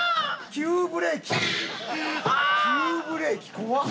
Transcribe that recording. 急ブレーキ怖っ！